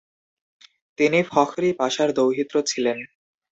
তিনি ফখরি পাশার দৌহিত্র ছিলেন।